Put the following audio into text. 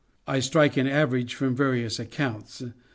I strike an average froin various accounts.